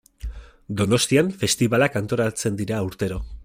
Donostian festibalak antolatzen dira urtero.